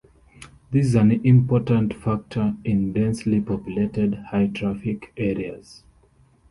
This is an important factor in densely populated, high-traffic areas.